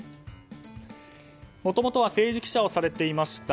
もともとは政治記者をされていました。